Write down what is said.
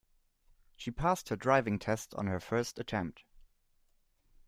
She passed her driving test on her first attempt.